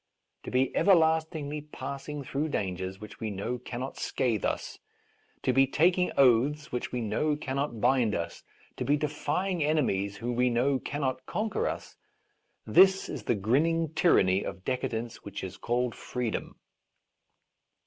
To be everlastingly pass ing through dangers which we know cannot scathe us, to be taking oaths which we know cannot bind us, to be defying ene mies who we know cannot conquer us — this is the grinning tyranny of decadence which is called freedom.